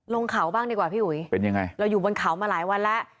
ลงเขาบ้างดีกว่าพี่อุ๋ยเป็นยังไงเราอยู่บนเขามาหลายวันแล้ว